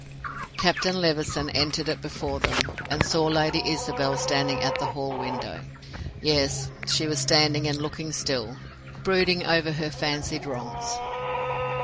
Captain Levison entered it before them, and saw Lady Isabel standing at the hall window. Yes, she was standing and looking still, brooding over her fancied wrongs.